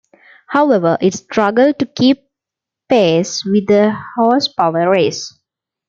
However, it struggled to keep pace with the horsepower race.